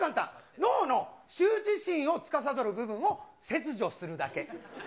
脳の羞恥心をつかさどる部分を切除するだけ。